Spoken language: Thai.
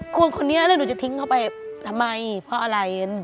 คุณคนนี้แล้วหนูจะทิ้งเขาไปทำไมเพราะอะไร